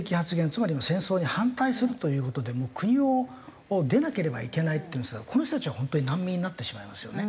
つまり戦争に反対するという事で国を出なければいけないこの人たちは本当に難民になってしまいますよね。